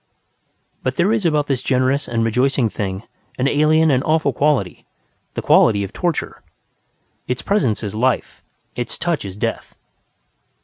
But there is about this generous and rejoicing thing an alien and awful quality: the quality of torture. Its presence is life; its touch is death.